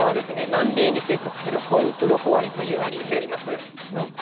南米に生息するホンウロコアリというアリになります